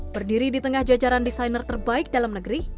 berdiri di tengah jajaran desainer terbaik dalam negeri